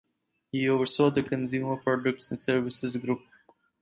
He oversaw the Consumer Products and Services Group.